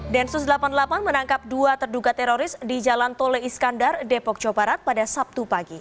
densus delapan puluh delapan menangkap dua terduga teroris di jalan tol iskandar depok jawa barat pada sabtu pagi